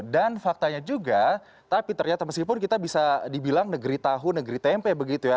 dan faktanya juga tapi ternyata meskipun kita bisa dibilang negeri tahu negeri tempe begitu ya